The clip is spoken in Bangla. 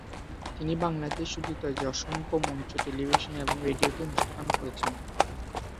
তিনি বাংলাদেশ ও যুক্তরাজ্যের অসংখ্য মঞ্চ, টেলিভিশন এবং রেডিও তে অনুষ্ঠান করেছেন।